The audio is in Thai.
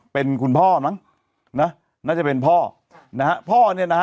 เป็นคุณพ่อมั้งนะน่าจะเป็นพ่อนะฮะพ่อเนี่ยนะฮะ